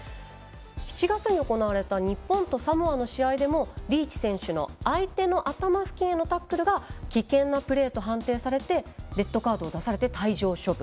７月に行われた日本とサモアの試合でもリーチ選手の頭付近へのタックルが危険なプレーと判定されてレッドカードを出されて退場処分。